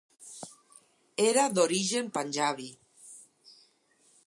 Era d'origen panjabi.